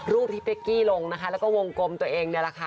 รูปที่เป๊กกี้ลงนะคะแล้วก็วงกลมตัวเองเนี่ยแหละค่ะ